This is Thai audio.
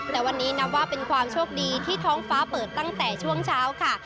แต่วันนี้นับว่าเป็นความโชคดีที่ท้องฟ้าเปิดตั้งแต่ช่วงเช้าค่ะ